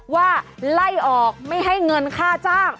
ว่าไล่ออกไม่ให้เงินค่าจ้าง